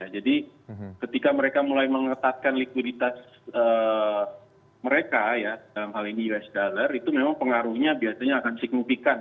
jadi ketika mereka mulai mengetatkan likuiditas mereka ya dalam hal ini us dollar itu memang pengaruhnya biasanya akan signifikan ke